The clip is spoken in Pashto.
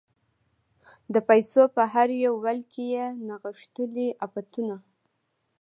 د پایڅو په هر یو ول کې یې نغښتلي عفتونه